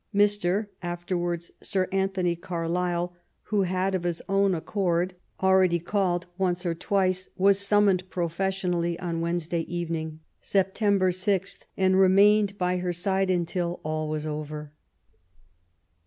Mr. — afterwards Sir — ^Anthony Carlisle, who had of his own accord al 202 MABT W0LL8T0NECBAFT GODWIN . ready called once or twice, was summoned professionally on Wednesday evening, September 6th, and remained by her side until all was over.